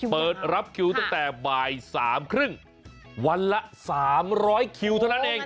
เปิดรับคิวตั้งแต่บ่ายสามครึ่งวันละสามร้อยคิวเท่านั้นเอง